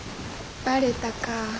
バレたか。